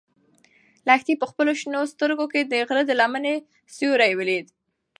لښتې په خپلو شنه سترګو کې د غره د لمنې سیوری ولید.